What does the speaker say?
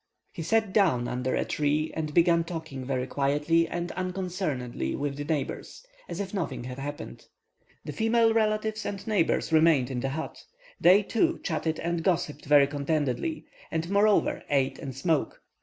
He sat down under a tree, and began talking very quietly and unconcernedly with the neighbours, as if nothing had happened. The female relatives and neighbours remained in the hut; they, too, chatted and gossiped very contentedly, and moreover ate and smoked.